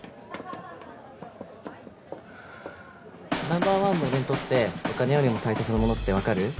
ナンバー１の俺にとってお金よりも大切なものって分かる？